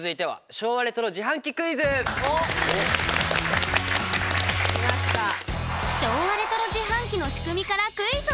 昭和レトロ自販機の仕組みからクイズを出題！